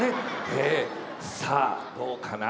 さあどうかな？